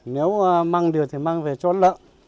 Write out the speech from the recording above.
nếu mang được thì mang về cho lợn